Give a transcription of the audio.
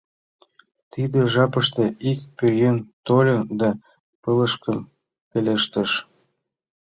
Тиде жапыште ик пӧръеҥ тольо да пылышышкем пелештыш: